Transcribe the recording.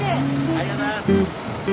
ありがとうございます。